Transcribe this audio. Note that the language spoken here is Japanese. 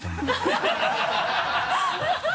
ハハハ